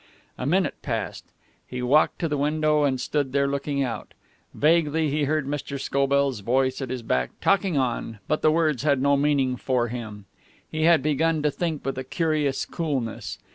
A minute passed. He walked to the window, and stood there, looking out. Vaguely he heard Mr. Scobell's voice at his back, talking on, but the words had no meaning for him. He had begun to think with a curious coolness.